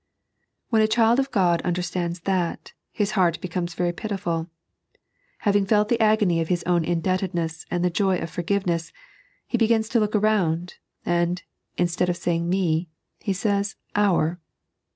When a child of God understands that, his heart becomes very pitiful ; having felt the agony of his own indebtedness and the joy of forgiveness, he begins to look around, and, instead of saying me, he says owr.